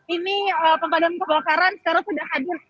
ini pemadam kebakaran sekarang sudah hadir